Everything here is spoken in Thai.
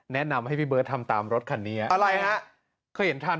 แนะนำให้พี่เบิร์ชทำตามรถคันนี้อะอะไรน่ะเข้าอยู่ทาง